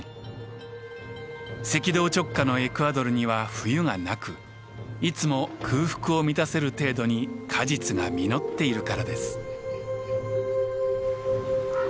赤道直下のエクアドルには冬がなくいつも空腹を満たせる程度に果実が実っているからです。